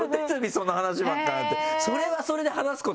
その話ばっかになって。